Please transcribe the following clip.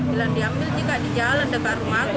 bilang diambil juga di jalan dekat rumahku